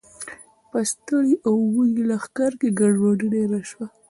په ستړي او وږي لښکر کې ګډوډي ډېره شوه.